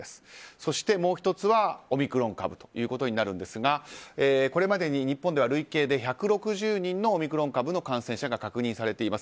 そしてもう１つはオミクロン株ですがこれまでに日本では累計で１６０人のオミクロン株の確認されています。